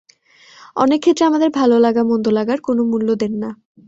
অনেক ক্ষেত্রে আমাদের ভালো লাগা মন্দ লাগার কোনো মূল্য দেন না।